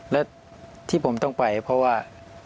และที่ผมต้องไปเพราะว่า